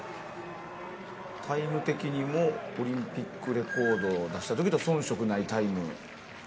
タイム的にもオリンピックレコードを出した時と遜色ないタイム。